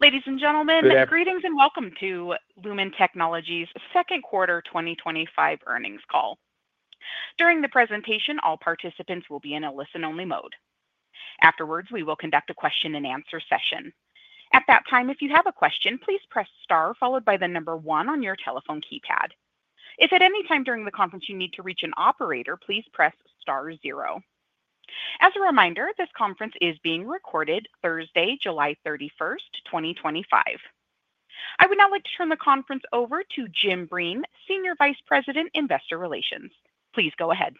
Ladies and gentlemen, greetings and welcome to Lumen Technologies' second quarter 2025 earnings call. During the presentation, all participants will be in a listen-only mode. Afterwards, we will conduct a question and answer session. At that time, if you have a question, please press star followed by the number one on your telephone keypad. If at any time during the conference you need to reach an operator, please press star zero. As a reminder, this conference is being recorded Thursday, July 31, 2025. I would now like to turn the conference over to Jim Breen, Senior Vice President, Investor Relations. Please go ahead.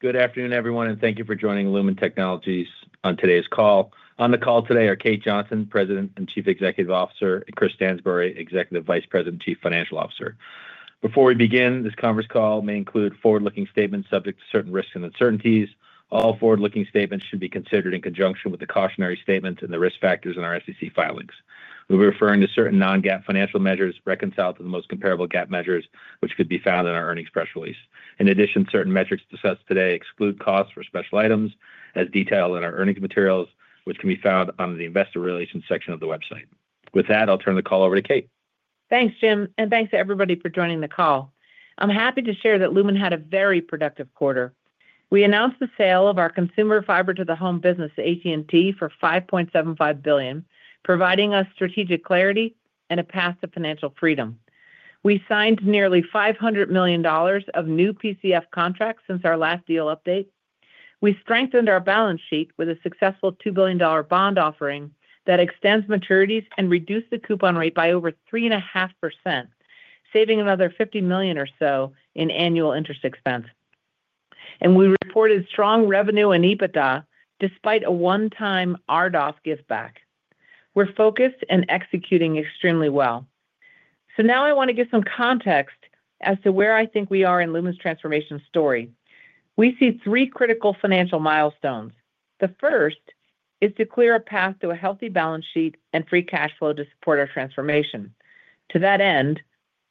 Good afternoon, everyone, and thank you for joining Lumen Technologies on today's call. On the call today are Kate Johnson, President and Chief Executive Officer, and Chris Stansbury, Executive Vice President, Chief Financial Officer. Before we begin, this conference call may include forward-looking statements subject to certain risks and uncertainties. All forward-looking statements should be considered in conjunction with the cautionary statements and the risk factors in our SEC filings. We'll be referring to certain non-GAAP financial measures reconciled to the most comparable GAAP measures, which could be found in our earnings press release. In addition, certain metrics discussed today exclude costs for special items, as detailed in our earnings materials, which can be found under the Investor Relations section of the website. With that, I'll turn the call over to Kate. Thanks, Jim, and thanks to everybody for joining the call. I'm happy to share that Lumen had a very productive quarter. We announced the sale of our consumer fiber-to-the-home business to AT&T for $5.75 billion, providing us strategic clarity and a path to financial freedom. We signed nearly $500 million of new PCF contracts since our last deal update. We strengthened our balance sheet with a successful $2 billion bond offering that extends maturities and reduced the coupon rate by over 3.5%, saving another $50 million or so in annual interest expense. We reported strong revenue an`d EBITDA despite a one-time RDOF giveback. We're focused and executing extremely well. I want to give some context as to where I think we are in Lumen's transformation story. We see three critical financial milestones. The first is to clear a path to a healthy balance sheet and free cash flow to support our transformation. To that end,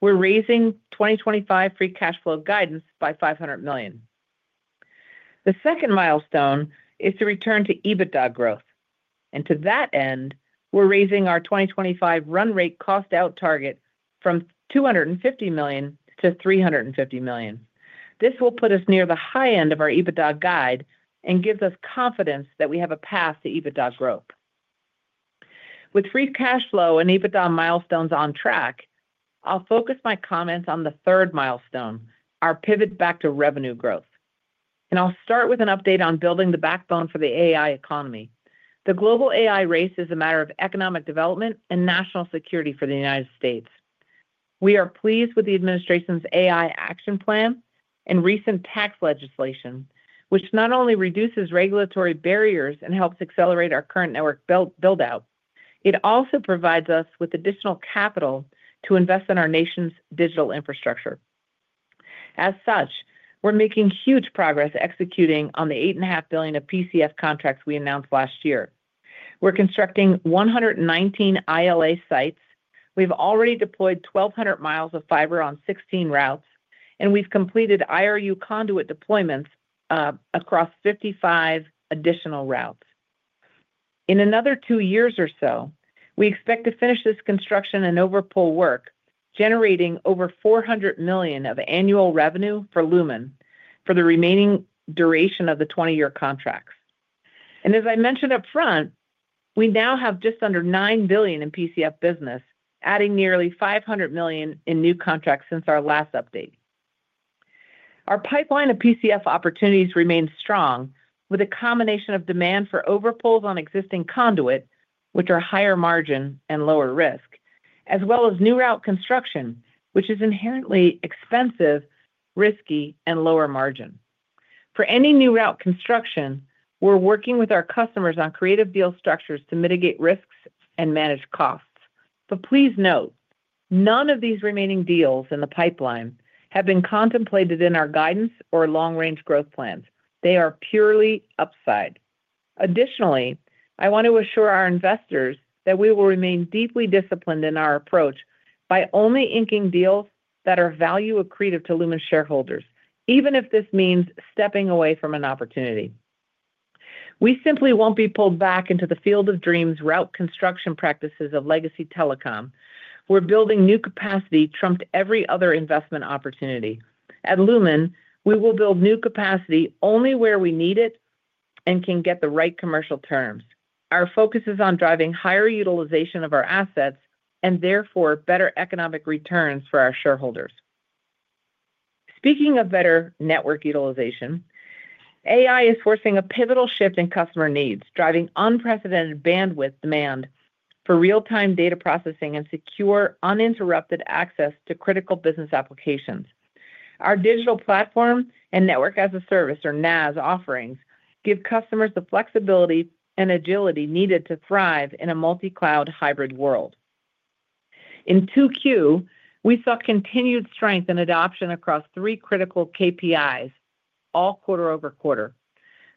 we're raising 2025 free cash flow guidance by $500 million. The second milestone is to return to EBITDA growth. To that end, we're raising our 2025 run-rate cost out target from $250 million-$350 million. This will put us near the high end of our EBITDA guide and gives us confidence that we have a path to EBITDA growth. With free cash flow and EBITDA milestones on track, I'll focus my comments on the third milestone, our pivot back to revenue growth. I'll start with an update on building the backbone for the AI economy. The global AI race is a matter of economic development and national security for the United States. We are pleased with the administration's AI action plan and recent tax legislation, which not only reduces regulatory barriers and helps accelerate our current network build-out, it also provides us with additional capital to invest in our nation's digital infrastructure. As such, we're making huge progress executing on the $8.5 billion of PCF contracts we announced last year. We're constructing 119 ILA sites. We've already deployed 1,200 mi of fiber on 16 routes, and we've completed IRU conduit deployments across 55 additional routes. In another two years or so, we expect to finish this construction and overpull work, generating over $400 million of annual revenue for Lumen for the remaining duration of the 20year contracts. As I mentioned up front, we now have just under $9 billion in PCF business, adding nearly $500 million in new contracts since our last update. Our pipeline of PCF opportunities remains strong, with a combination of demand for overpulls on existing conduit, which are higher margin and lower risk, as well as new route construction, which is inherently expensive, risky, and lower margin. For any new route construction, we're working with our customers on creative deal structures to mitigate risks and manage costs. Please note, none of these remaining deals in the pipeline have been contemplated in our guidance or long-range growth plans. They are purely upside. Additionally, I want to assure our investors that we will remain deeply disciplined in our approach by only inking deals that are value accretive to Lumen shareholders, even if this means stepping away from an opportunity. We simply won't be pulled back into the field of dreams route construction practices of legacy telecom. We're building new capacity trumped every other investment opportunity. At Lumen, we will build new capacity only where we need it and can get the right commercial terms. Our focus is on driving higher utilization of our assets and therefore better economic returns for our shareholders. Speaking of better network utilization, AI is forcing a pivotal shift in customer needs, driving unprecedented bandwidth demand for real-time data processing and secure, uninterrupted access to critical business applications. Our digital platform and Network-as-a-Service, or NaaS, offerings give customers the flexibility and agility needed to thrive in a multi-cloud hybrid world. In 2Q, we saw continued strength in adoption across three critical KPIs, all quarter-over-quarter.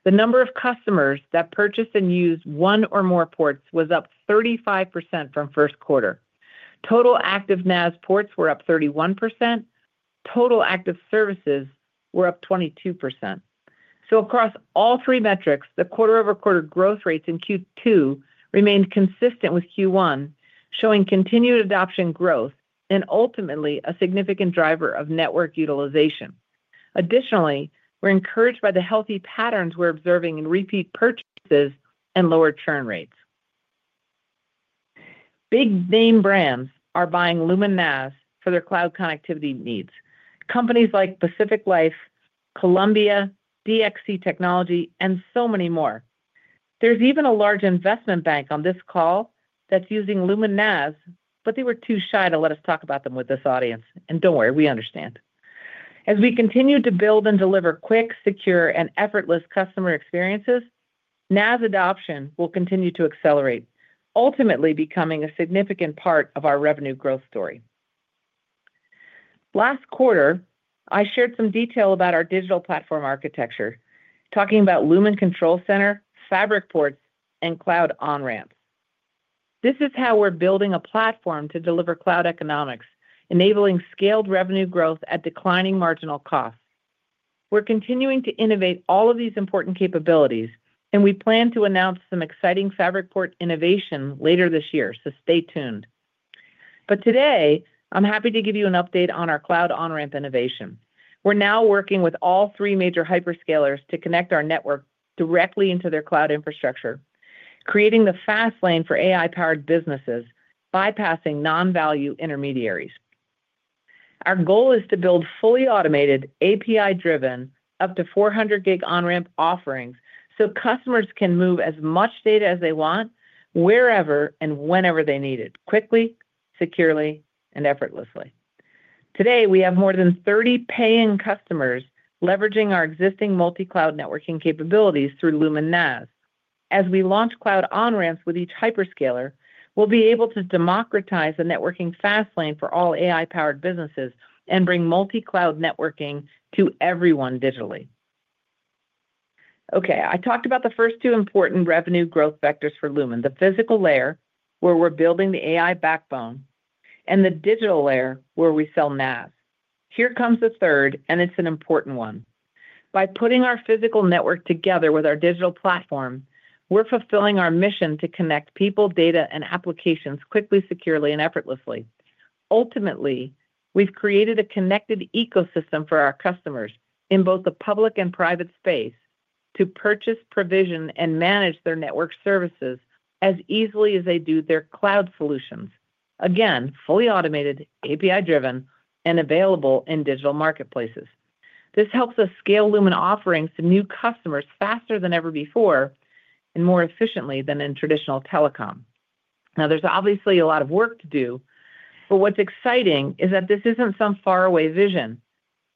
The number of customers that purchased and used one or more ports was up 35% from first quarter. Total active NaaS ports were up 31%. Total active services were up 22%. Across all three metrics, the quarter-over-quarter growth rates in Q2 remained consistent with Q1, showing continued adoption growth and ultimately a significant driver of network utilization. Additionally, we're encouraged by the healthy patterns we're observing in repeat purchases and lower churn rates. Big name brands are buying Lumen NaaS for their cloud connectivity needs, companies like Pacific Life, Columbia, DXC Technology, and so many more. There's even a large investment bank on this call that's using Lumen NaaS, but they were too shy to let us talk about them with this audience. We understand. As we continue to build and deliver quick, secure, and effortless customer experiences, NaaS adoption will continue to accelerate, ultimately becoming a significant part of our revenue growth story. Last quarter, I shared some detail about our digital platform architecture, talking about Lumen Control Center, fabric ports, and cloud on-ramps. This is how we're building a platform to deliver cloud economics, enabling scaled revenue growth at declining marginal costs. We're continuing to innovate all of these important capabilities, and we plan to announce some exciting fabric port innovation later this year, so stay tuned. Today, I'm happy to give you an update on our cloud on-ramp innovation. We're now working with all three major hyperscalers to connect our network directly into their cloud infrastructure, creating the fast lane for AI-powered businesses, bypassing non-value intermediaries. Our goal is to build fully automated, API-driven, up to 400-gig on-ramp offerings so customers can move as much data as they want, wherever and whenever they need it, quickly, securely, and effortlessly. Today, we have more than 30 paying customers leveraging our existing multi-cloud networking capabilities through Lumen NaaS. As we launch cloud on-ramps with each hyperscaler, we'll be able to democratize the networking fast lane for all AI-powered businesses and bring multi-cloud networking to everyone digitally. I talked about the first two important revenue growth vectors for Lumen, the physical layer where we're building the AI backbone and the digital layer where we sell NaaS. Here comes the third, and it's an important one. By putting our physical network together with our digital platform, we're fulfilling our mission to connect people, data, and applications quickly, securely, and effortlessly. Ultimately, we've created a connected ecosystem for our customers in both the public and private space to purchase, provision, and manage their network services as easily as they do their cloud solutions. Again, fully automated, API-driven, and available in digital marketplaces. This helps us scale Lumen offerings to new customers faster than ever before and more efficiently than in traditional telecom. There's obviously a lot of work to do, but what's exciting is that this isn't some faraway vision.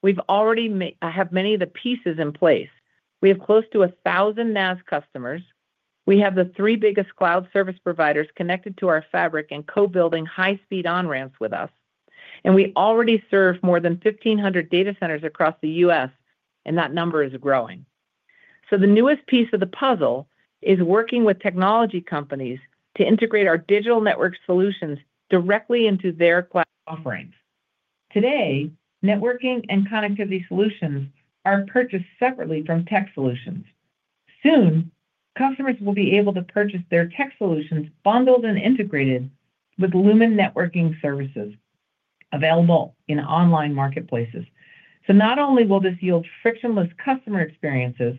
We already have many of the pieces in place. We have close to 1,000 NaaS customers. We have the three biggest cloud service providers connected to our fabric and co-building high-speed on-ramps with us. We already serve more than 1,500 data centers across the U.S., and that number is growing. The newest piece of the puzzle is working with technology companies to integrate our digital network solutions directly into their cloud offerings. Today, networking and connectivity solutions are purchased separately from tech solutions. Soon, customers will be able to purchase their tech solutions bundled and integrated with Lumen networking services available in online marketplaces. Not only will this yield frictionless customer experiences,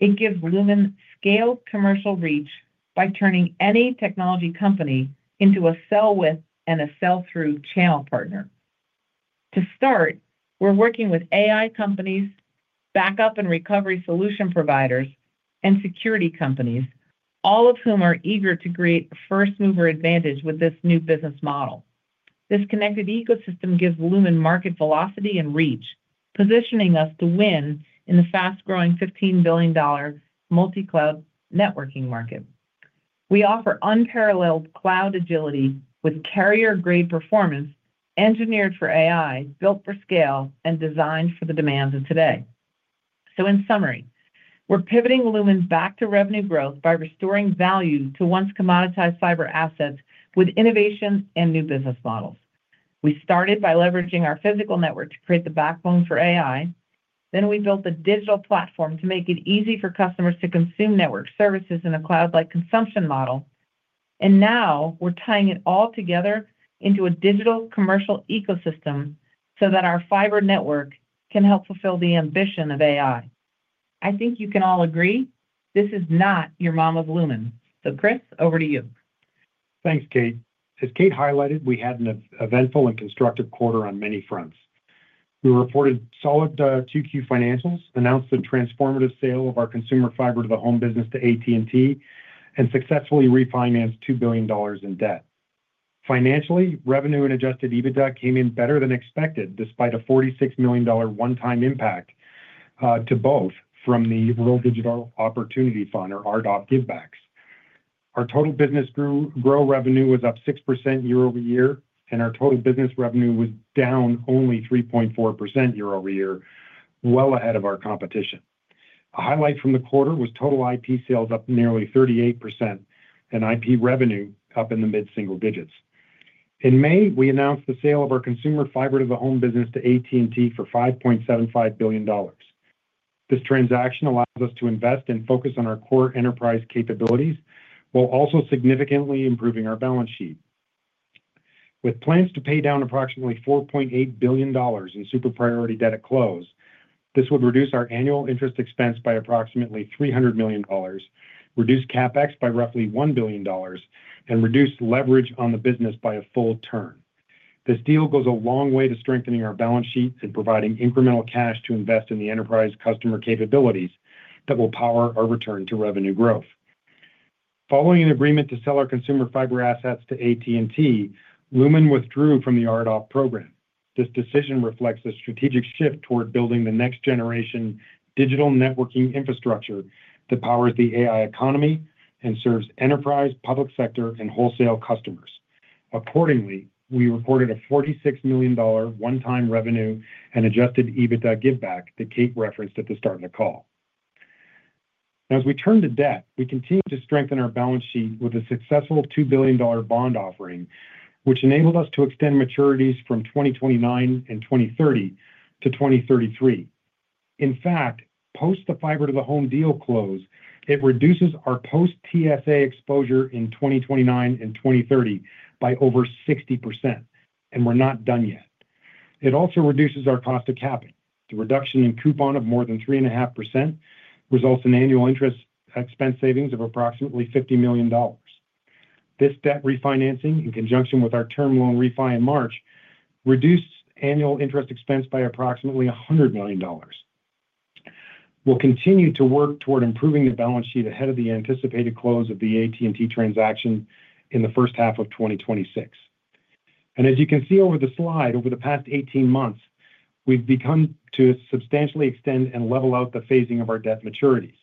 it gives Lumen scaled commercial reach by turning any technology company into a sell-with and a sell-through channel partner. To start, we're working with AI companies, backup and recovery solution providers, and security companies, all of whom are eager to create first-mover advantage with this new business model. This connected ecosystem gives Lumen market velocity and reach, positioning us to win in the fast-growing $15 billion multi-cloud networking market. We offer unparalleled cloud agility with carrier-grade performance, engineered for AI, built for scale, and designed for the demands of today. In summary, we're pivoting Lumen back to revenue growth by restoring value to once commoditized fiber assets with innovation and new business models. We started by leveraging our physical network to create the backbone for AI. We built a digital platform to make it easy for customers to consume network services in a cloud-like consumption model. Now we're tying it all together into a digital commercial ecosystem so that our fiber network can help fulfill the ambition of AI. I think you can all agree this is not your mom of Lumen. Chris, over to you. Thanks, Kate. As Kate highlighted, we had an eventful and constructive quarter on many fronts. We reported solid 2Q financials, announced the transformative sale of our consumer fiber-to-the-home business to AT&T, and successfully refinanced $2 billion in debt. Financially, revenue and adjusted EBITDA came in better than expected despite a $46 million one-time impact to both from the Rural Digital Opportunity Fund or RDOF givebacks. Our total business grow revenue was up 6% year-over-year, and our total business revenue was down only 3.4% year-over-year, well ahead of our competition. A highlight from the quarter was total IP sales up nearly 38% and IP revenue up in the mid-single digits. In May, we announced the sale of our consumer fiber-to-the-home business to AT&T for $5.75 billion. This transaction allows us to invest and focus on our core enterprise capabilities while also significantly improving our balance sheet. With plans to pay down approximately $4.8 billion in super-priority debt at close, this would reduce our annual interest expense by approximately $300 million, reduce CapEx by roughly $1 billion, and reduce leverage on the business by a full turn. This deal goes a long way to strengthening our balance sheet and providing incremental cash to invest in the enterprise customer capabilities that will power our return to revenue growth. Following an agreement to sell our consumer fiber assets to AT&T, Lumen withdrew from the RDOF program. This decision reflects a strategic shift toward building the next-generation digital networking infrastructure that powers the AI economy and serves enterprise, public sector, and wholesale customers. Accordingly, we reported a $46 million one-time revenue and adjusted EBITDA giveback that Kate referenced at the start of the call. Now, as we turn to debt, we continue to strengthen our balance sheet with a successful $2 billion bond offering, which enabled us to extend maturities from 2029 and 2030 to 2033. In fact, post the fiber-to-the-home deal close, it reduces our post-TSA exposure in 2029 and 2030 by over 60%. We're not done yet. It also reduces our cost of capping. The reduction in coupon of more than 3.5% results in annual interest expense savings of approximately $50 million. This debt refinancing, in conjunction with our term loan refi in March, reduced annual interest expense by approximately $100 million. We'll continue to work toward improving the balance sheet ahead of the anticipated close of the AT&T transaction in the first half of 2026. As you can see over the slide, over the past 18 months, we've begun to substantially extend and level out the phasing of our debt maturities.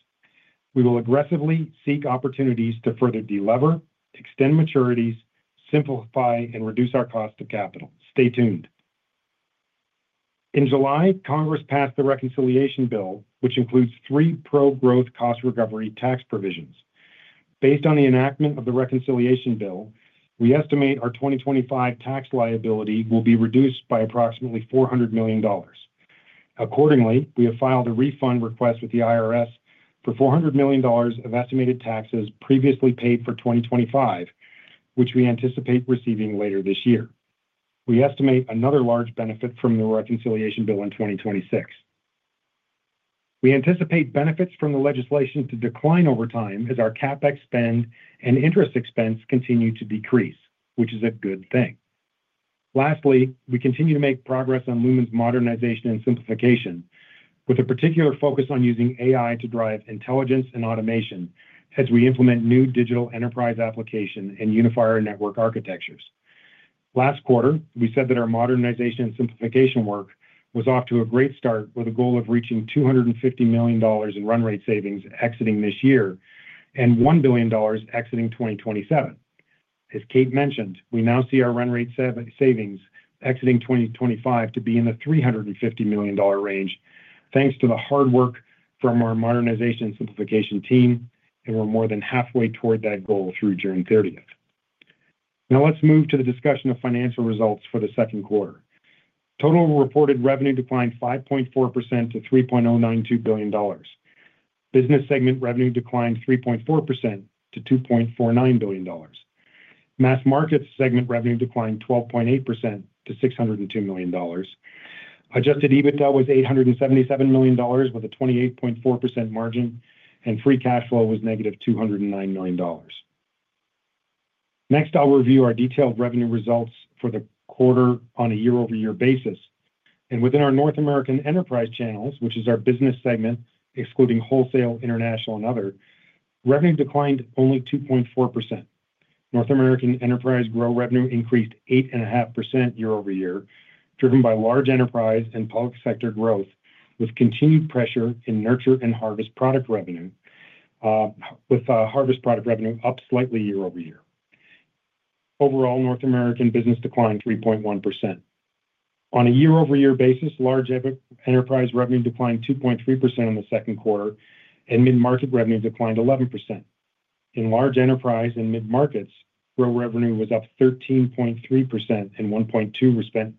We will aggressively seek opportunities to further delever, extend maturities, simplify, and reduce our cost of capital. Stay tuned. In July, Congress passed the reconciliation bill, which includes three pro-growth cost recovery tax provisions. Based on the enactment of the reconciliation bill, we estimate our 2025 tax liability will be reduced by approximately $400 million. Accordingly, we have filed a refund request with the IRS for $400 million of estimated taxes previously paid for 2025, which we anticipate receiving later this year. We estimate another large benefit from the reconciliation bill in 2026. We anticipate benefits from the legislation to decline over time as our CapEx spend and interest expense continue to decrease, which is a good thing. Lastly, we continue to make progress on Lumen's modernization and simplification, with a particular focus on using AI to drive intelligence and automation as we implement new digital enterprise applications and unify our network architectures. Last quarter, we said that our modernization and simplification work was off to a great start with a goal of reaching $250 million in run rate savings exiting this year and $1 billion exiting 2027. As Kate mentioned, we now see our run rate savings exiting 2025 to be in the $350 million range thanks to the hard work from our modernization and simplification team, and we're more than halfway toward that goal through June 30th. Now let's move to the discussion of financial results for the second quarter. Total reported revenue declined 5.4% to $3.092 billion. Business segment revenue declined 3.4% to $2.49 billion. Mass markets segment revenue declined 12.8% to $602 million. Adjusted EBITDA was $877 million with a 28.4% margin, and free cash flow was negative $209 million. Next, I'll review our detailed revenue results for the quarter on a year-over-year basis. Within our North American enterprise channels, which is our business segment excluding wholesale, international, and other, revenue declined only 2.4%. North American enterprise grow revenue increased 8.5% year-over-year, driven by large enterprise and public sector growth, with continued pressure in Nurture and Harvest product revenue, with Harvest product revenue up slightly year-over-year. Overall, North American business declined 3.1%. On a year-over-year basis, large enterprise revenue declined 2.3% in the second quarter, and mid-market revenue declined 11%. In large enterprise and mid-markets, grow revenue was up 13.3% and 1.2%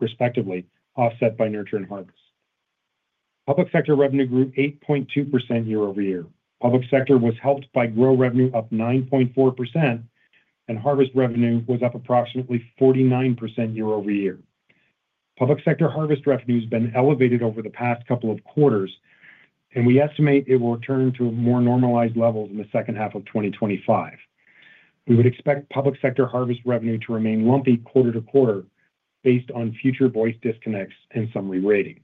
respectively, offset by Nurture and Harvest. Public sector revenue grew 8.2% year-over-year. Public sector was helped by grow revenue up 9.4%, and Harvest revenue was up approximately 49% year-over-year. Public sector Harvest revenue has been elevated over the past couple of quarters, and we estimate it will return to more normalized levels in the second half of 2025. We would expect public sector Harvest revenue to remain lumpy quarter to quarter based on future voice disconnects and summary rating.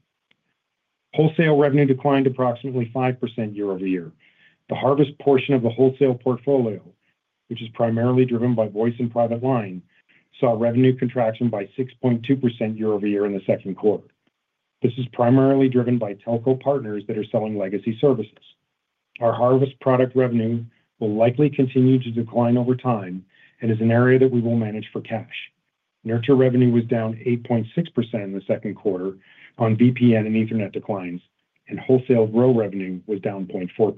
Wholesale revenue declined approximately 5% year-over-year. The Harvest portion of the wholesale portfolio, which is primarily driven by voice and private line, saw revenue contraction by 6.2% year-over-year in the second quarter. This is primarily driven by telco partners that are selling legacy services. Our Harvest product revenue will likely continue to decline over time and is an area that we will manage for cash. Nurture revenue was down 8.6% in the second quarter on VPN and Ethernet declines, and wholesale grow revenue was down 0.4%.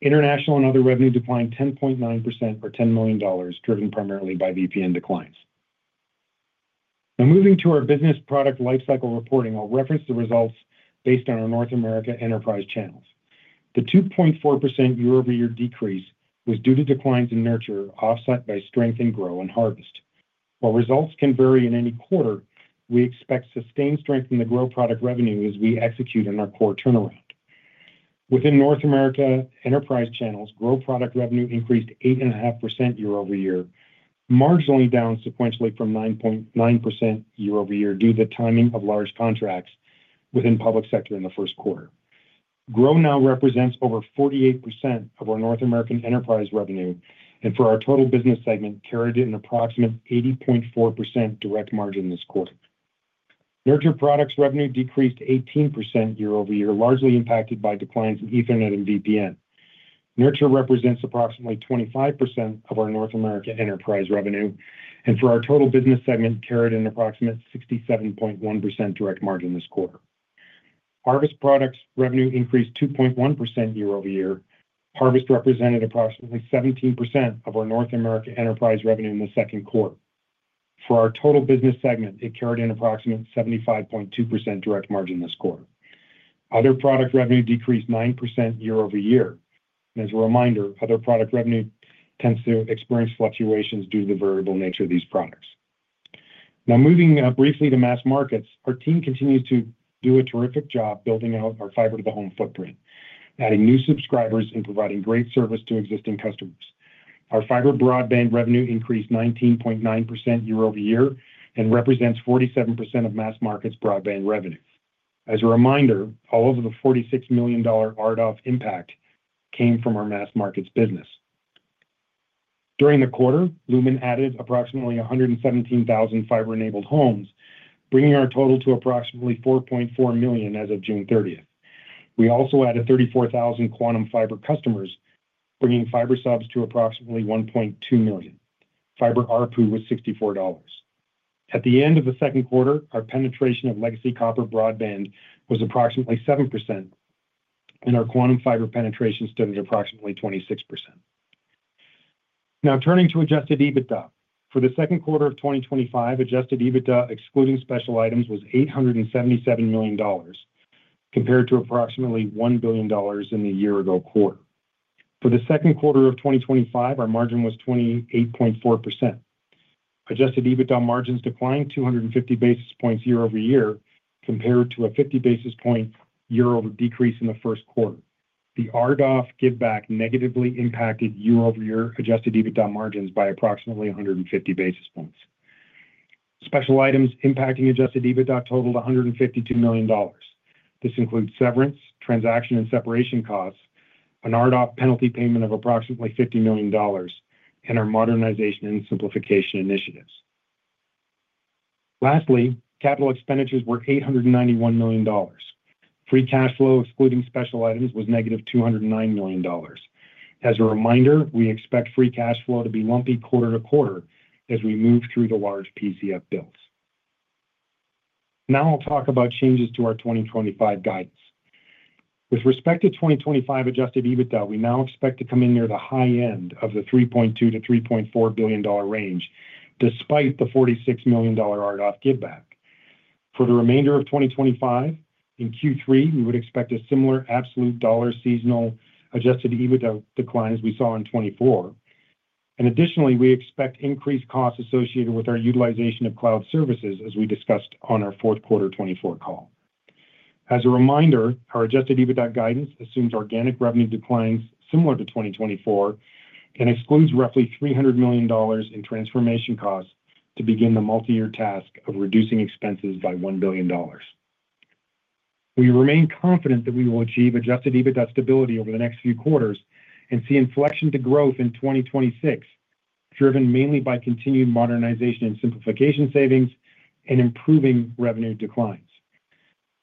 International and other revenue declined 10.9% or $10 million, driven primarily by VPN declines. Now moving to our business product lifecycle reporting, I'll reference the results based on our North America enterprise channels. The 2.4% year-over-year decrease was due to declines in Nurture, offset by strength in Grow and Harvest. While results can vary in any quarter, we expect sustained strength in the Grow product revenue as we execute on our core turnaround. Within North America enterprise channels, Grow product revenue increased 8.5% year-over-year, marginally down sequentially from 9.9% year-over-year due to the timing of large contracts within public sector in the first quarter. Grow now represents over 48% of our North American enterprise revenue, and for our total business segment, carried an approximate 80.4% direct margin this quarter. Nurture products revenue decreased 18% year-over-year, largely impacted by declines in Ethernet and VPN. Nurture represents approximately 25% of our North America enterprise revenue, and for our total business segment, carried an approximate 67.1% direct margin this quarter. Harvest products revenue increased 2.1% year-over-year. Harvest represented approximately 17% of our North America enterprise revenue in the second quarter. For our total business segment, it carried an approximate 75.2% direct margin this quarter. Other product revenue decreased 9% year-over-year. As a reminder, other product revenue tends to experience fluctuations due to the variable nature of these products. Now moving briefly to mass markets, our team continues to do a terrific job building out our fiber-to-the-home footprint, adding new subscribers, and providing great service to existing customers. Our fiber broadband revenue increased 19.9% year-over-year and represents 47% of mass markets broadband revenue. As a reminder, all of the $46 million RDOF impact came from our mass markets business. During the quarter, Lumen added approximately 117,000 fiber-enabled homes, bringing our total to approximately 4.4 million as of June 30th. We also added 34,000 Quantum Fiber customers, bringing fiber subs to approximately 1.2 million. Fiber ARPU was $64. At the end of the second quarter, our penetration of legacy copper broadband was approximately 7%, and our Quantum Fiber penetration stood at approximately 26%. Now turning to adjusted EBITDA. For the second quarter of 2025, adjusted EBITDA excluding special items was $877 million compared to approximately $1 billion in the year-ago quarter. For the second quarter of 2025, our margin was 28.4%. Adjusted EBITDA margins declined 250 basis points year-over-year compared to a 50 basis point year-over decrease in the first quarter. The RDOF giveback negatively impacted year-over-year adjusted EBITDA margins by approximately 150 basis points. Special items impacting adjusted EBITDA totaled $152 million. This includes severance, transaction, and separation costs, an RDOF penalty payment of approximately $50 million, and our modernization and simplification initiatives. Lastly, capital expenditures were $891 million. Free cash flow excluding special items was negative $209 million. As a reminder, we expect free cash flow to be lumpy quarter to quarter as we move through the large PCF builds. Now I'll talk about changes to our 2025 guidance. With respect to 2025 adjusted EBITDA, we now expect to come in near the high end of the $3.2 billion-$3.4 billion range despite the $46 million RDOF giveback. For the remainder of 2025, in Q3, we would expect a similar absolute dollar seasonal adjusted EBITDA decline as we saw in 2024. Additionally, we expect increased costs associated with our utilization of cloud services as we discussed on our fourth quarter 2024 call. As a reminder, our adjusted EBITDA guidance assumes organic revenue declines similar to 2024 and excludes roughly $300 million in transformation costs to begin the multi-year task of reducing expenses by $1 billion. We remain confident that we will achieve adjusted EBITDA stability over the next few quarters and see inflection to growth in 2026, driven mainly by continued modernization and simplification savings and improving revenue declines.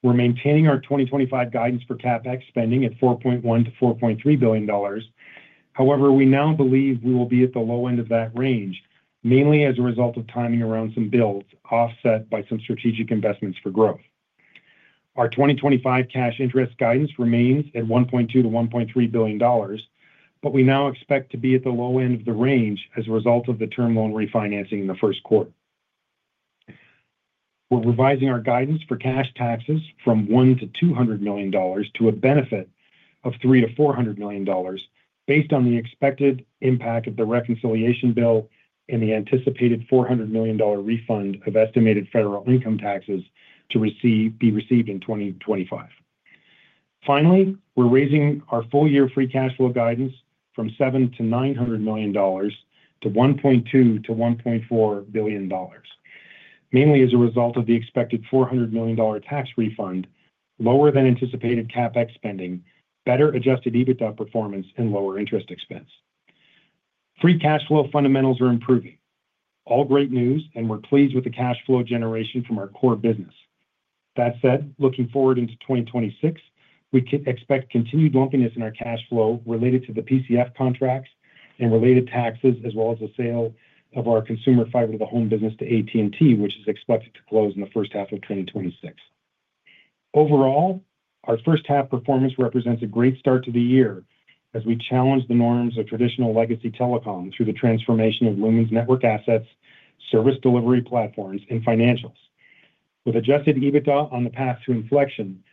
We're maintaining our 2025 guidance for CapEx spending at $4.1 billion-$4.3 billion. However, we now believe we will be at the low end of that range, mainly as a result of timing around some builds offset by some strategic investments for growth. Our 2025 cash interest guidance remains at $1.2 billion-$1.3 billion, but we now expect to be at the low end of the range as a result of the term loan refinancing in the first quarter. We're revising our guidance for cash taxes from $100 million-$200 million to a benefit of $300 million-$400 million based on the expected impact of the reconciliation bill and the anticipated $400 million refund of estimated federal income taxes to be received in 2025. Finally, we're raising our full-year free cash flow guidance from $700 million-$900 million to $1.2 million-$1.4 billion, mainly as a result of the expected $400 million tax refund, lower than anticipated CapEx spending, better adjusted EBITDA performance, and lower interest expense. Free cash flow fundamentals are improving. All great news, and we're pleased with the cash flow generation from our core business. That said, looking forward into 2026, we can expect continued lumpiness in our cash flow related to the PCF contracts and related taxes, as well as the sale of our consumer fiber-to-the-home business to AT&T, which is expected to close in the first half of 2026. Overall, our first half performance represents a great start to the year as we challenge the norms of traditional legacy telecom through the transformation of Lumen Technologies' network assets, service delivery platforms, and financials. With adjusted EBITDA on the path to inflection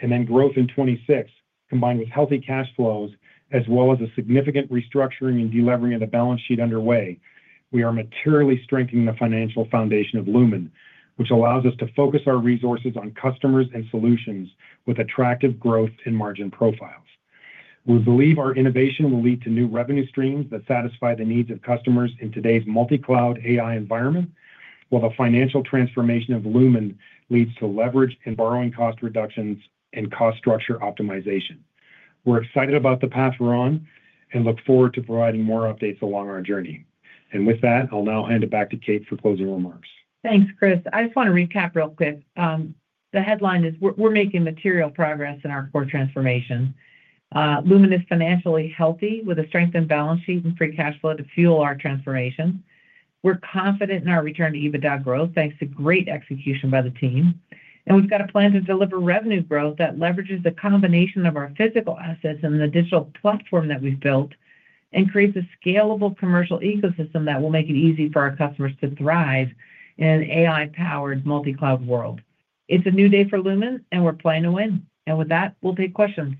and then growth in 2026, combined with healthy cash flows, as well as a significant restructuring and delivery of the balance sheet underway, we are materially strengthening the financial foundation of Lumen, which allows us to focus our resources on customers and solutions with attractive growth and margin profiles. We believe our innovation will lead to new revenue streams that satisfy the needs of customers in today's multi-cloud AI environment, while the financial transformation of Lumen leads to leverage and borrowing cost reductions and cost structure optimization. We are excited about the path we're on and look forward to providing more updates along our journey. I'll now hand it back to Kate for closing remarks. Thanks, Chris. I just want to recap real quick. The headline is we're making material progress in our core transformation. Lumen is financially healthy with a strengthened balance sheet and free cash flow to fuel our transformation. We're confident in our return to EBITDA growth thanks to great execution by the team. We've got a plan to deliver revenue growth that leverages the combination of our physical assets and the digital platform that we've built and creates a scalable commercial ecosystem that will make it easy for our customers to thrive in an AI-powered multi-cloud world. It's a new day for Lumen, and we're planning to win. With that, we'll take questions.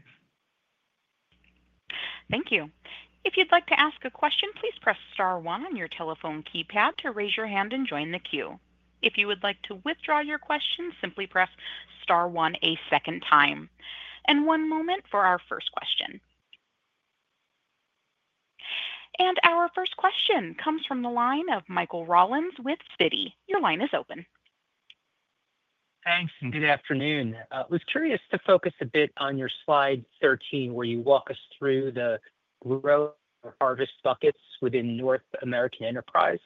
Thank you. If you'd like to ask a question, please press star one on your telephone keypad to raise your hand and join the queue. If you would like to withdraw your question, simply press star one a second time. One moment for our first question. Our first question comes from the line of Michael Rollins with Citi. Your line is open. Thanks, and good afternoon. I was curious to focus a bit on your slide 13 where you walk us through the growth or Harvest buckets within North American enterprise.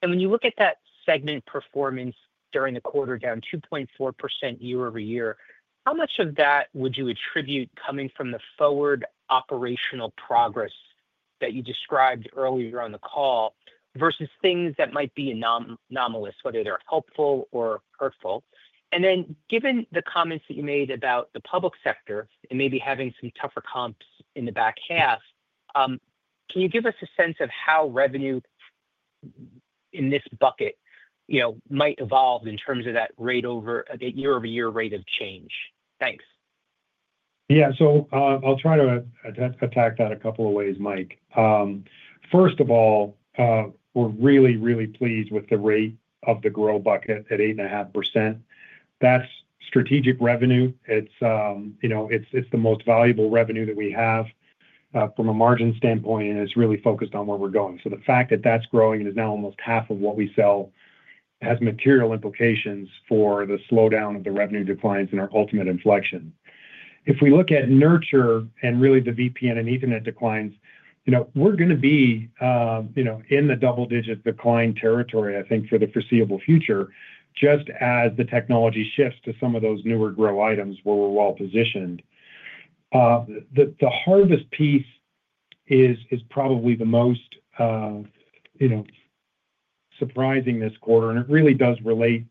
When you look at that segment performance during the quarter, down 2.4% year-over-year, how much of that would you attribute coming from the forward operational progress that you described earlier on the call versus things that might be anomalous, whether they're helpful or hurtful? Given the comments that you made about the public sector and maybe having some tougher comps in the back half, can you give us a sense of how revenue in this bucket might evolve in terms of that rate over a year-over-year rate of change? Thanks. Yeah, so I'll try to attack that a couple of ways, Mike. First of all, we're really, really pleased with the rate of the Grow bucket at 8.5%. That's strategic revenue. It's the most valuable revenue that we have from a margin standpoint and is really focused on where we're going. The fact that that's growing and is now almost half of what we sell has material implications for the slowdown of the revenue declines and our ultimate inflection. If we look at Nurture and really the VPN and Ethernet declines, we're going to be in the double-digit decline territory, I think, for the foreseeable future, just as the technology shifts to some of those newer Grow items where we're well positioned. The Harvest piece is probably the most surprising this quarter, and it really does relate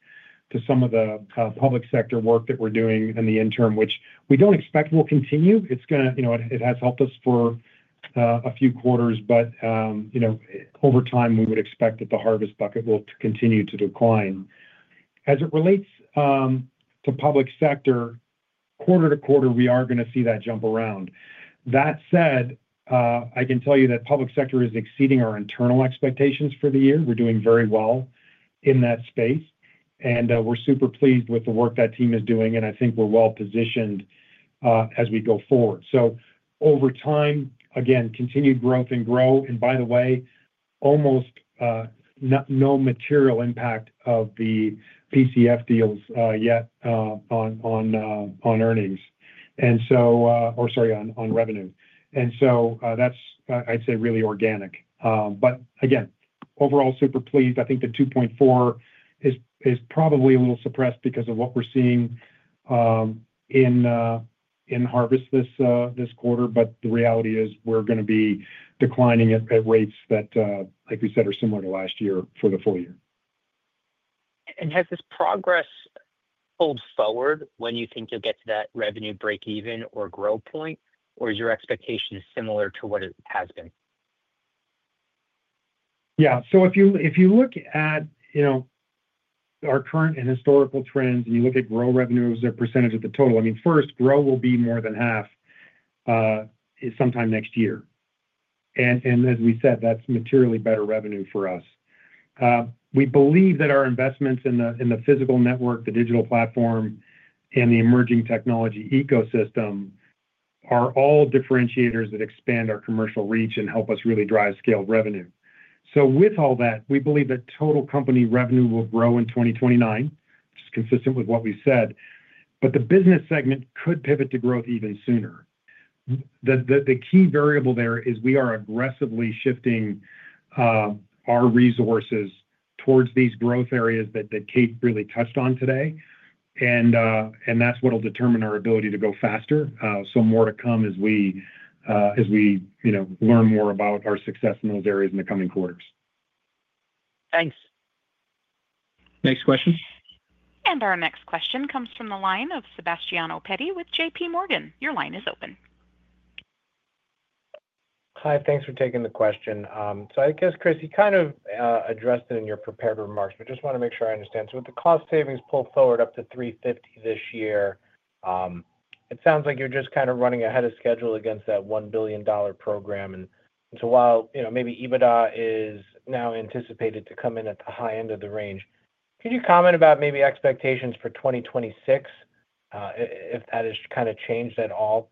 to some of the public sector work that we're doing in the interim, which we don't expect will continue. It's going to, it has helped us for a few quarters, but over time, we would expect that the Harvest bucket will continue to decline. As it relates to public sector, quarter-to-quarter, we are going to see that jump around. That said, I can tell you that public sector is exceeding our internal expectations for the year. We're doing very well in that space, and we're super pleased with the work that team is doing, and I think we're well positioned as we go forward. Over time, again, continued growth in Grow, and by the way, almost no material impact of the PCF deals yet on revenue. That's, I'd say, really organic. Again, overall, super pleased. I think the 2.4 is probably a little suppressed because of what we're seeing in Harvest this quarter, but the reality is we're going to be declining at rates that, like we said, are similar to last year for the full year. Has this progress pulled forward when you think you'll get to that revenue break-even or Grow point, or is your expectation similar to what it has been? Yeah, if you look at our current and historical trends, and you look at grow revenue as a % of the total, first, Grow will be more than half sometime next year. As we said, that's materially better revenue for us. We believe that our investments in the physical network, the digital platform, and the emerging technology ecosystem are all differentiators that expand our commercial reach and help us really drive scaled revenue. With all that, we believe that total company revenue will Grow in 2029, which is consistent with what we said, but the business segment could pivot to growth even sooner. The key variable there is we are aggressively shifting our resources towards these growth areas that Kate really touched on today, and that's what will determine our ability to go faster. More to come as we learn more about our success in those areas in the coming quarters. Thanks. Next question. Our next question comes from the line of Sebastiano Petti with JPMorgan. Your line is open. Hi, thanks for taking the question. I guess, Chris, you kind of addressed it in your prepared remarks, but just want to make sure I understand. With the cost savings pull forward up to $350 this year, it sounds like you're just kind of running ahead of schedule against that $1 billion program. While, you know, maybe EBITDA is now anticipated to come in at the high end of the range, can you comment about maybe expectations for 2026 if that has kind of changed at all?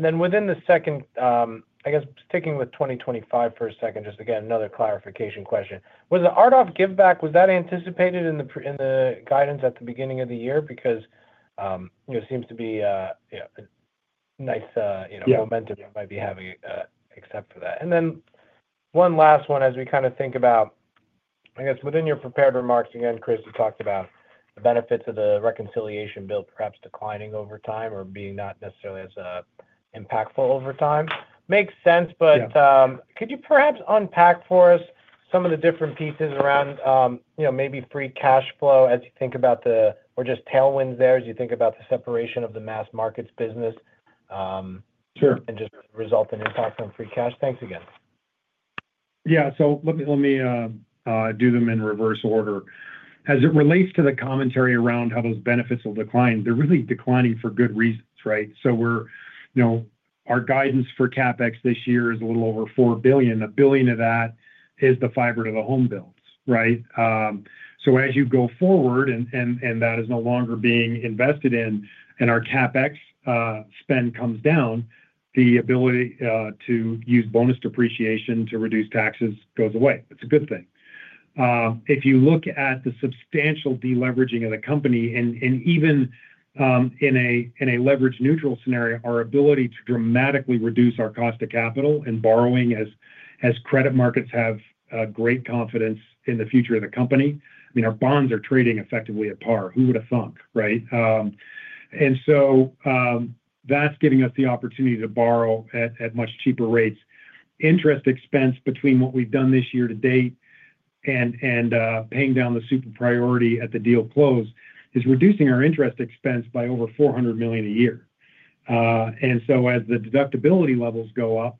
Within the second, I guess, sticking with 2025 for a second, just again, another clarification question. Was the RDOF giveback, was that anticipated in the guidance at the beginning of the year? It seems to be a nice, you know, momentum you might be having except for that. One last one, as we kind of think about, I guess, within your prepared remarks, again, Chris, you talked about the benefits of the reconciliation bill perhaps declining over time or being not necessarily as impactful over time. Makes sense, but could you perhaps unpack for us some of the different pieces around, you know, maybe free cash flow as you think about the, or just tailwinds there as you think about the separation of the mass markets business? Sure. you again. What is the resultant impact on free cash? Let me do them in reverse order. As it relates to the commentary around how those benefits will decline, they're really declining for good reasons, right? Our guidance for CapEx this year is a little over $4 billion. A billion of that is the fiber-to-the-home builds, right? As you go forward, and that is no longer being invested in, and our CapEx spend comes down, the ability to use bonus depreciation to reduce taxes goes away. That's a good thing. If you look at the substantial deleveraging of the company, and even in a leverage-neutral scenario, our ability to dramatically reduce our cost of capital and borrowing as credit markets have great confidence in the future of the company. I mean, our bonds are trading effectively at par. Who would have thunk, right? That's giving us the opportunity to borrow at much cheaper rates. Interest expense between what we've done this year to date and paying down the super-priority debt at the deal close is reducing our interest expense by over $400 million a year. As the deductibility levels go up,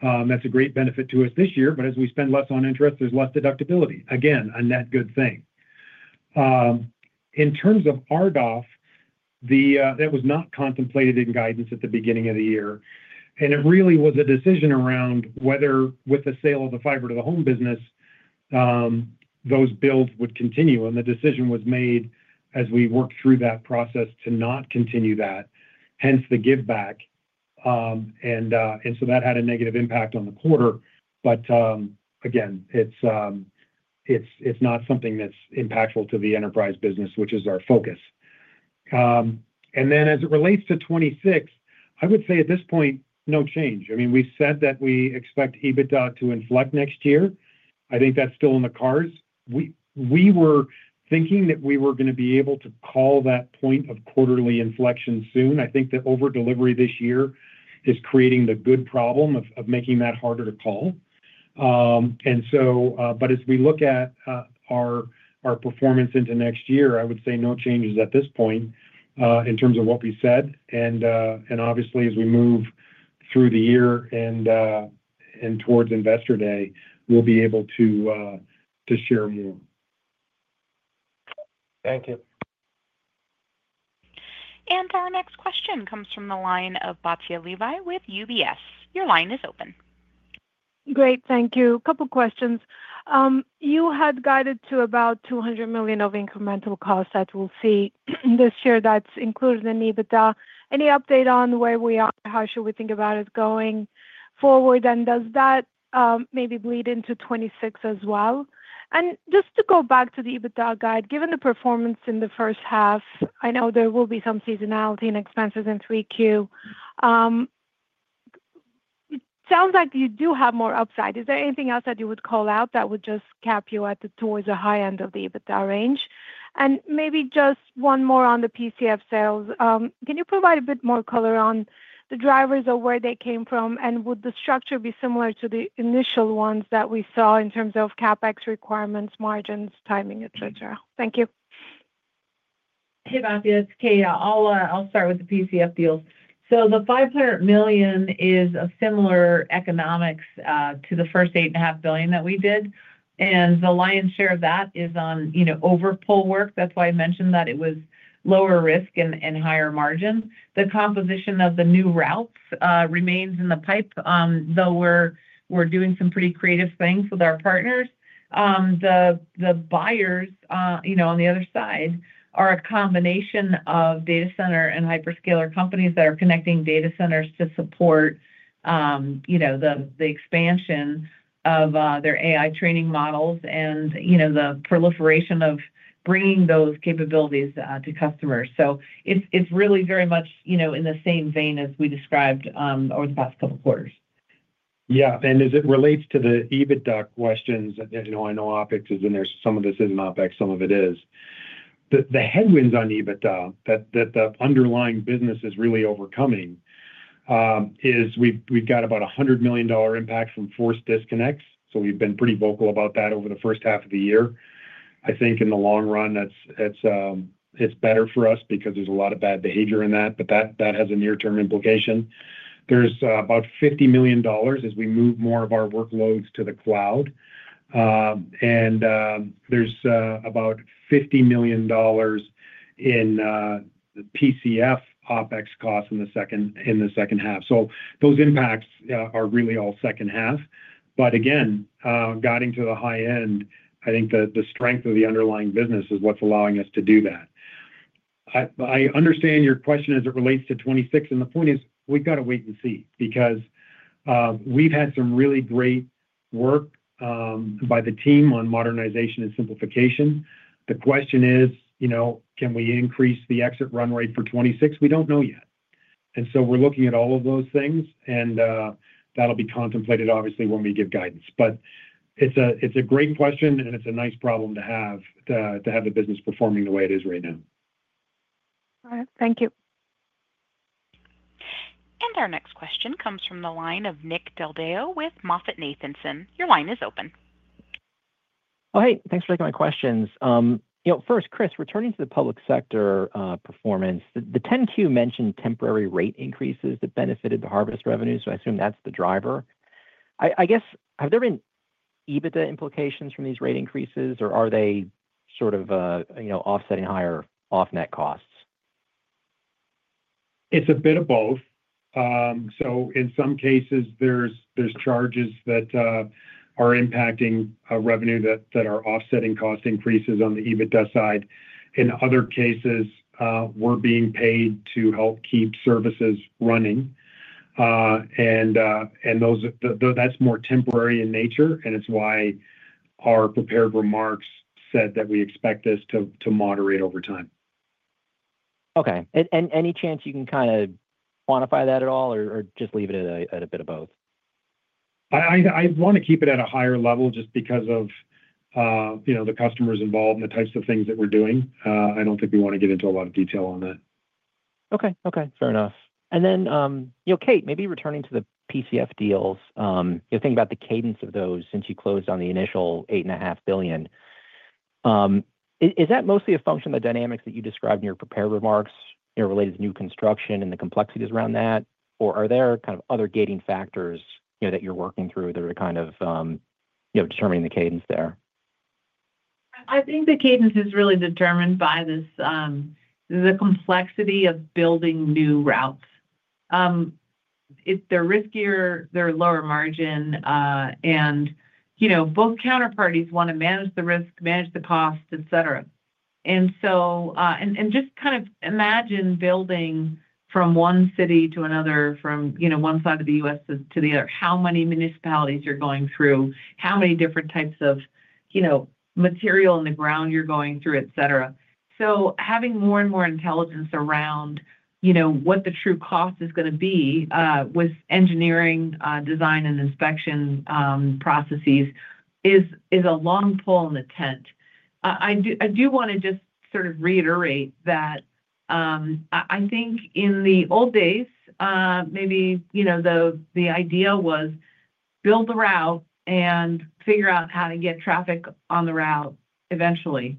that's a great benefit to us this year, but as we spend less on interest, there's less deductibility. Again, a net good thing. In terms of RDOF giveback, that was not contemplated in guidance at the beginning of the year. It really was a decision around whether with the sale of the fiber-to-the-home business, those builds would continue, and the decision was made as we worked through that process to not continue that, hence the giveback. That had a negative impact on the quarter, but again, it's not something that's impactful to the enterprise business, which is our focus. As it relates to 2026, I would say at this point, no change. We said that we expect adjusted EBITDA to inflect next year. I think that's still in the cards. We were thinking that we were going to be able to call that point of quarterly inflection soon. I think the over-delivery this year is creating the good problem of making that harder to call. As we look at our performance into next year, I would say no changes at this point in terms of what we said. Obviously, as we move through the year and towards Investor Day, we'll be able to share more. Thank you. Our next question comes from the line of Batya Levi with UBS. Your line is open. Great, thank you. A couple of questions. You had guided to about $200 million of incremental costs that we'll see this year that's included in adjusted EBITDA. Any update on where we are? How should we think about it going forward? Does that maybe bleed into 2026 as well? To go back to the adjusted EBITDA guide, given the performance in the first half, I know there will be some seasonality and expenses in 3Q. It sounds like you do have more upside. Is there anything else that you would call out that would just cap you at the high end of the adjusted EBITDA range? Maybe just one more on the PCF sales. Can you provide a bit more color on the drivers or where they came from? Would the structure be similar to the initial ones that we saw in terms of CapEx requirements, margins, timing, etc.? Thank you. Hey, Batya. It's Kate. I'll start with the PCF deals. The $500 million is a similar economics to the first $8.5 billion that we did. The lion's share of that is on overpull work. That's why I mentioned that it was lower risk and higher margin. The composition of the new routes remains in the pipe, though we're doing some pretty creative things with our partners. The buyers on the other side are a combination of data center and hyperscaler companies that are connecting data centers to support the expansion of their AI training models and the proliferation of bringing those capabilities to customers. It's really very much in the same vein as we described over the past couple of quarters. Yeah, and as it relates to the EBITDA questions, I know OpEx is in there. Some of this isn't OpEx. Some of it is. The headwinds on EBITDA that the underlying business is really overcoming is we've got about a $100 million impact from forced disconnects. We've been pretty vocal about that over the first half of the year. I think in the long run, it's better for us because there's a lot of bad behavior in that, but that has a near-term implication. There's about $50 million as we move more of our workloads to the cloud, and there's about $50 million in the PCF OpEx costs in the second half. Those impacts are really all second half. Again, guiding to the high end, I think the strength of the underlying business is what's allowing us to do that. I understand your question as it relates to 2026, and the point is we've got to wait and see because we've had some really great work by the team on modernization and simplification. The question is, can we increase the exit run rate for 2026? We don't know yet. We're looking at all of those things, and that'll be contemplated, obviously, when we give guidance. It's a great question, and it's a nice problem to have to have the business performing the way it is right now. All right. Thank you. Our next question comes from the line of Nick Del Deo with MoffettNathanson. Your line is open. Oh, hey, thanks for taking my questions. You know, first, Chris, returning to the public sector performance, the 10-Q mentioned temporary rate increases that benefited the Harvest revenue. I assume that's the driver. I guess, have there been EBITDA implications from these rate increases, or are they sort of, you know, offsetting higher off-net costs? It's a bit of both. In some cases, there's charges that are impacting revenue that are offsetting cost increases on the EBITDA side. In other cases, we're being paid to help keep services running. That's more temporary in nature, and it's why our prepared remarks said that we expect this to moderate over time. Okay, any chance you can kind of quantify that at all or just leave it at a bit of both? I want to keep it at a higher level just because of the customers involved and the types of things that we're doing. I don't think we want to get into a lot of detail on that. Okay. Fair enough. Kate, maybe returning to the PCF deals, thinking about the cadence of those since you closed on the initial $8.5 billion, is that mostly a function of the dynamics that you described in your prepared remarks, related to new construction and the complexities around that, or are there other gating factors that you're working through that are determining the cadence there? I think the cadence is really determined by the complexity of building new routes. They're riskier, they're lower margin, and both counterparties want to manage the risk, manage the cost, et cetera. Just kind of imagine building from one city to another, from one side of the U.S. to the other, how many municipalities you're going through, how many different types of material in the ground you're going through, et cetera. Having more and more intelligence around what the true cost is going to be with engineering, design, and inspection processes is a long pole in the tent. I do want to just sort of reiterate that I think in the old days, maybe the idea was build the route and figure out how to get traffic on the route eventually.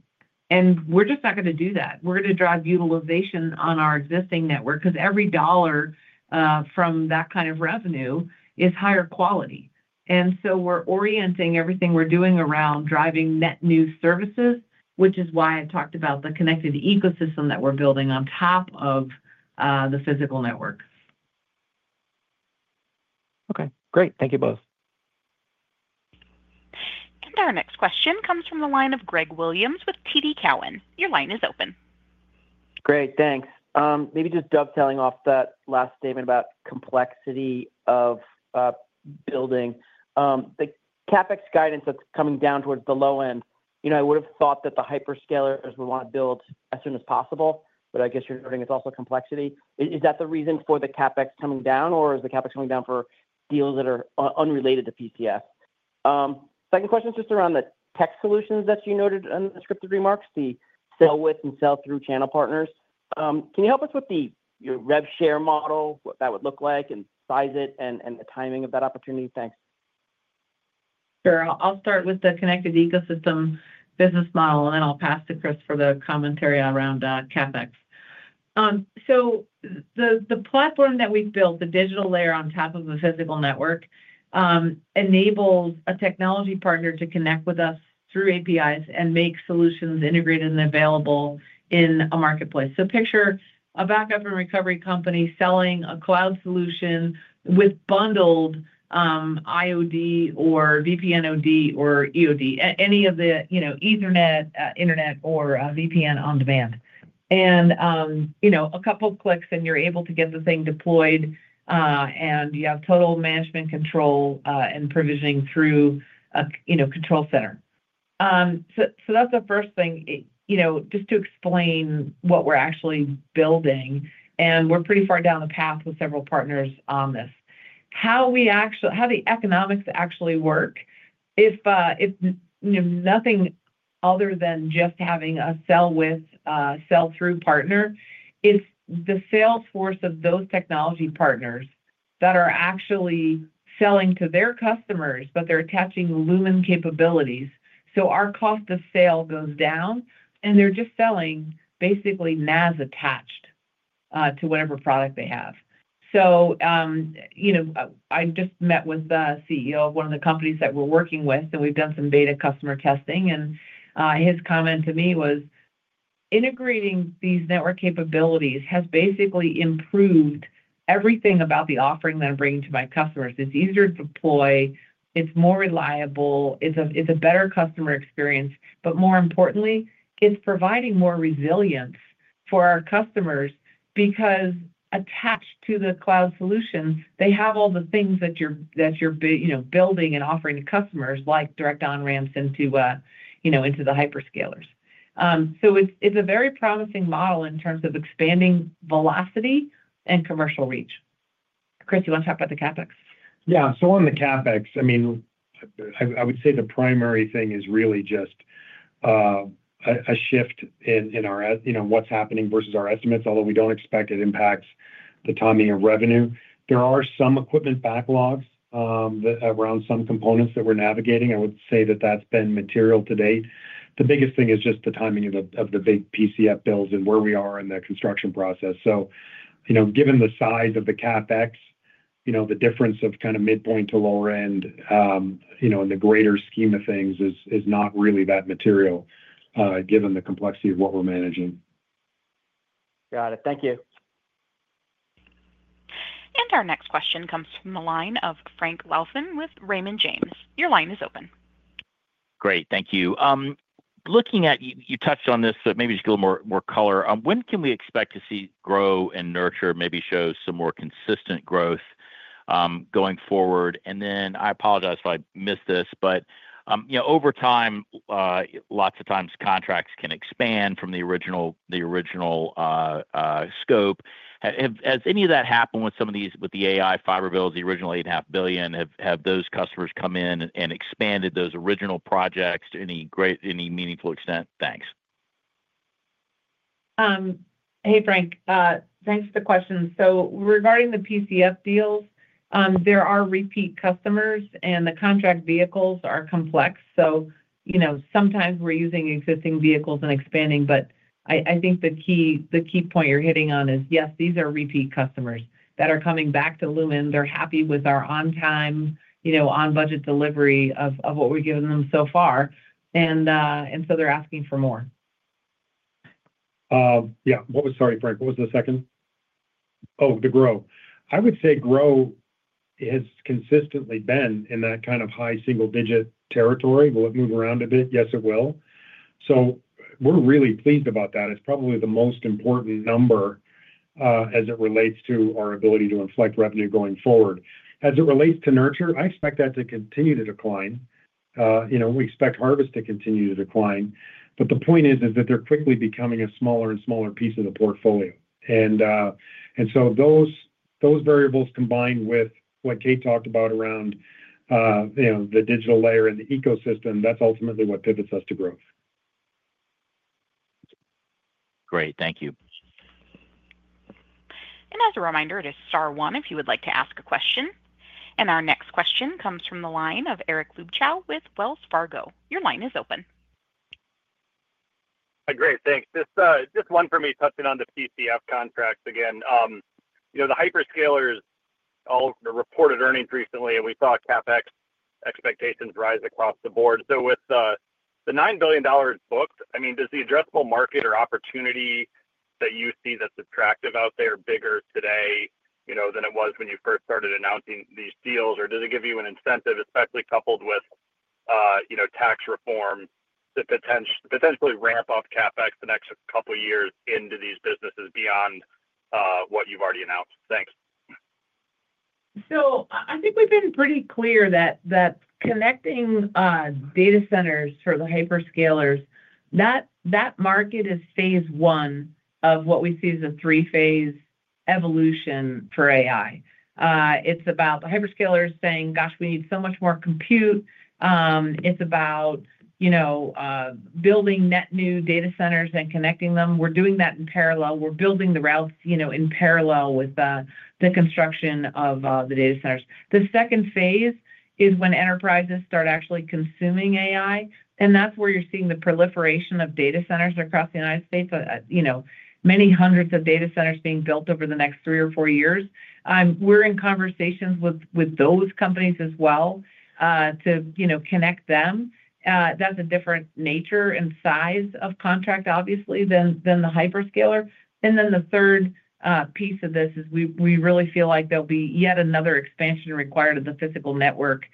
We're just not going to do that. We're going to drive utilization on our existing network because every dollar from that kind of revenue is higher quality. We're orienting everything we're doing around driving net new services, which is why I talked about the connected ecosystem that we're building on top of the physical network. Okay. Great. Thank you both. Our next question comes from the line of Greg Williams with TD Cowen. Your line is open. Great. Thanks. Maybe just dovetailing off that last statement about complexity of building, the CapEx guidance that's coming down towards the low end, you know, I would have thought that the hyperscalers would want to build as soon as possible, but I guess you're noting it's also complexity. Is that the reason for the CapEx coming down, or is the CapEx coming down for deals that are unrelated to PCF? Second question is just around the tech solutions that you noted in the scripted remarks, the sell-with and sell-through channel partners. Can you help us with your rev share model, what that would look like, and size it, and the timing of that opportunity? Thanks. Sure. I'll start with the connected ecosystem business model, and then I'll pass to Chris for the commentary around CapEx. The platform that we've built, the digital layer on top of the physical network, enables a technology partner to connect with us through APIs and make solutions integrated and available in a marketplace. Picture a backup and recovery company selling a cloud solution with bundled IoD or VPN OD or EOD, any of the Ethernet, internet, or VPN on demand. With a couple of clicks, you're able to get the thing deployed, and you have total management control and provisioning through a control center. That's the first thing, just to explain what we're actually building, and we're pretty far down the path with several partners on this. How the economics actually work, if nothing other than just having a sell-with, sell-through partner, it's the sales force of those technology partners that are actually selling to their customers, but they're attaching Lumen capabilities. Our cost of sale goes down, and they're just selling basically NaaS attached to whatever product they have. I just met with the CEO of one of the companies that we're working with, and we've done some beta customer testing. His comment to me was integrating these network capabilities has basically improved everything about the offering that I'm bringing to my customers. It's easier to deploy. It's more reliable. It's a better customer experience. More importantly, it's providing more resilience for our customers because attached to the cloud solutions, they have all the things that you're building and offering to customers like direct on-ramps into the hyperscalers. It's a very promising model in terms of expanding velocity and commercial reach. Chris, you want to talk about the CapEx? Yeah. On the CapEx, I would say the primary thing is really just a shift in our, you know, what's happening versus our estimates, although we don't expect it impacts the timing of revenue. There are some equipment backlogs around some components that we're navigating. I would say that that's been material to date. The biggest thing is just the timing of the big PCF bills and where we are in the construction process. Given the size of the CapEx, the difference of kind of midpoint to lower end, in the greater scheme of things, is not really that material given the complexity of what we're managing. Got it. Thank you. Our next question comes from the line of Frank Louthan with Raymond James. Your line is open. Great. Thank you. Looking at, you touched on this, but maybe just get a little more color. When can we expect to see Grow and Nurture, maybe show some more consistent growth going forward? I apologize if I missed this, but you know, over time, lots of times contracts can expand from the original scope. Has any of that happened with some of these, with the AI fiber builds, the original $8.5 billion? Have those customers come in and expanded those original projects to any great, any meaningful extent? Thanks. Hey, Frank. Thanks for the question. Regarding the PCF deals, there are repeat customers, and the contract vehicles are complex. Sometimes we're using existing vehicles and expanding, but I think the key point you're hitting on is, yes, these are repeat customers that are coming back to Lumen. They're happy with our on-time, on-budget delivery of what we've given them so far, and they're asking for more. Yeah. What was, sorry, Frank? What was the second? Oh, the Grow. I would say Grow has consistently been in that kind of high single-digit territory. Will it move around a bit? Yes, it will. We're really pleased about that. It's probably the most important number as it relates to our ability to inflect revenue going forward. As it relates to Nurture, I expect that to continue to decline. We expect Harvest to continue to decline. The point is that they're quickly becoming a smaller and smaller piece of the portfolio. Those variables combined with what Kate talked about around the digital layer and the ecosystem, that's ultimately what pivots us to growth. Great, thank you. As a reminder, it is star one if you would like to ask a question. Our next question comes from the line of Eric Luebchow with Wells Fargo. Your line is open. Great. Thanks. Just one for me touching on the PCF contracts again. You know, the hyperscalers all reported earnings recently, and we saw CapEx expectations rise across the board. With the $9 billion booked, does the addressable market or opportunity that you see that's attractive out there look bigger today than it was when you first started announcing these deals, or does it give you an incentive, especially coupled with, you know, tax reform, to potentially ramp up CapEx the next couple of years into these businesses beyond what you've already announced? Thanks. I think we've been pretty clear that connecting data centers for the hyperscalers, that market is phase one of what we see as a three-phase evolution for AI. It's about the hyperscalers saying, "Gosh, we need so much more compute." It's about building net new data centers and connecting them. We're doing that in parallel. We're building the routes in parallel with the construction of the data centers. The second phase is when enterprises start actually consuming AI, and that's where you're seeing the proliferation of data centers across the United States, many hundreds of data centers being built over the next three or four years. We're in conversations with those companies as well to connect them. That's a different nature and size of contract, obviously, than the hyperscaler. The third piece of this is we really feel like there'll be yet another expansion required of the physical network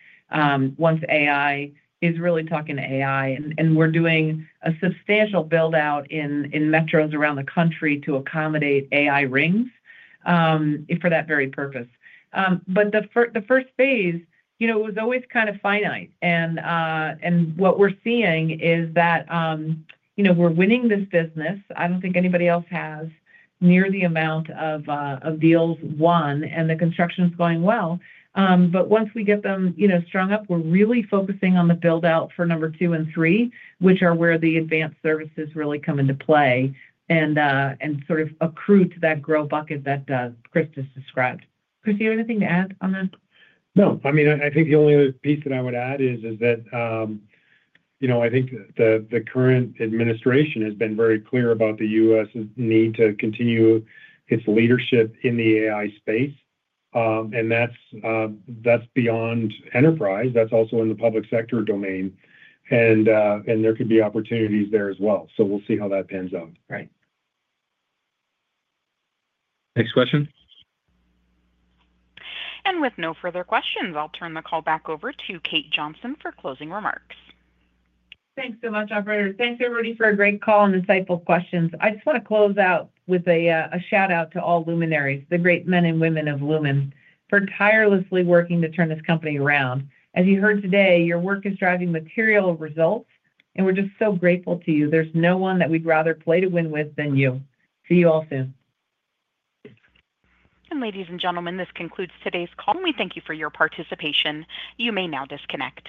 once AI is really talking to AI. We're doing a substantial build-out in metros around the country to accommodate AI rings for that very purpose. The first phase was always kind of finite. What we're seeing is that we're winning this business. I don't think anybody else has near the amount of deals won, and the construction is going well. Once we get them strung up, we're really focusing on the build-out for number two and three, which are where the advanced services really come into play and sort of accrue to that Grow bucket that Chris just described. Chris, do you have anything to add on that? No, I mean, I think the only other piece that I would add is that, you know, I think the current administration has been very clear about the U.S.'s need to continue its leadership in the AI space. That's beyond enterprise. That's also in the public sector domain, and there could be opportunities there as well. We'll see how that pans out. Right. Next question? With no further questions, I'll turn the call back over to Kate Johnson for closing remarks. Thanks so much, operator. Thanks, everybody, for a great call and insightful questions. I just want to close out with a shout-out to all Lumenaries, the great men and women of Lumen, for tirelessly working to turn this company around. As you heard today, your work is driving material results, and we're just so grateful to you. There's no one that we'd rather play to win with than you. See you all soon. Ladies and gentlemen, this concludes today's call. We thank you for your participation. You may now disconnect.